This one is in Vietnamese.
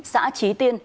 xã trí tiên